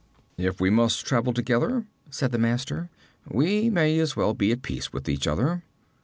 'If we must travel together,' said the master, 'we may as well be at peace with each other.